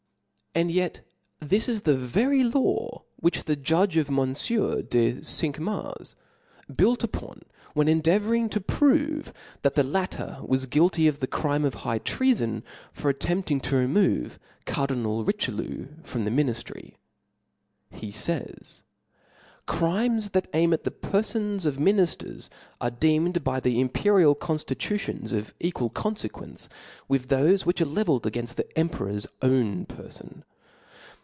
And yet this is the very law which the judge (O.Me of Monfieur de Cinq Mars built upon (*), when j^onJ,.e£ j,j. endeavouring to prove that .the latter was guilty Tom. ]f. of the crime of high treafort, for attempting to re move Cardinal Richelieu from theminiftry, he fays, Crimes that aim at the ferfons of minifUrSy are *' deemed by the Imperial conftitutiom, of equal con ^fequence with thofe which are levelled ' againft the ^^ emperor* s own perfon.